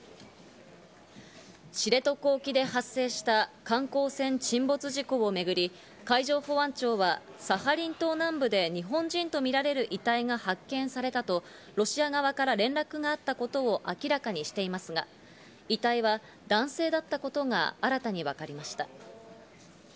知床沖で発生した観光船沈没事故をめぐり、海上保安庁はサハリン島南部で日本人とみられる遺体が発見されたと、ロシア側から連絡があったことを明らかにしていますが、遺体は男性だったことが新たに分かりました。